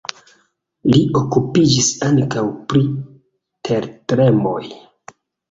Li okupiĝis ankaŭ pri tertremoj.